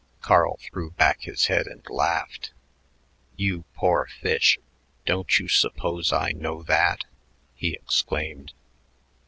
Carl threw back his head and laughed. "You poor fish; don't you suppose I know that?" he exclaimed.